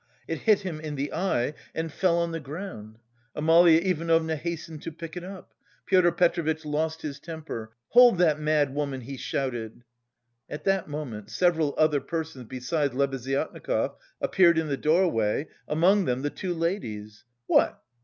It hit him in the eye and fell on the ground. Amalia Ivanovna hastened to pick it up. Pyotr Petrovitch lost his temper. "Hold that mad woman!" he shouted. At that moment several other persons, besides Lebeziatnikov, appeared in the doorway, among them the two ladies. "What!